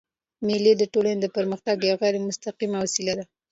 مېلې د ټولني د پرمختګ یوه غیري مستقیمه وسیله ده.